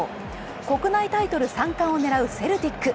国内タイトル３冠を狙うセルティック。